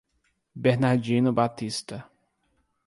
Bernardino Batista